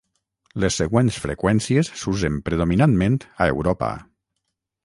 Les següents freqüències s'usen predominantment a Europa.